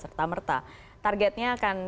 serta merta targetnya akan